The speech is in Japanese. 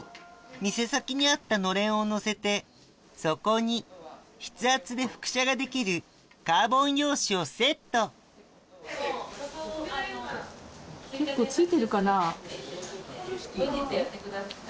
店先にあったのれんをのせてそこに筆圧で複写ができるカーボン用紙をセット結構付いてるかなぁ？